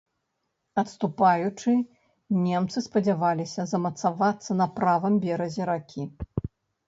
Адступаючы, немцы спадзяваліся замацавацца на правым беразе ракі.